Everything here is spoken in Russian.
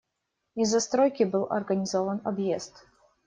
Из-за стройки был организован объезд.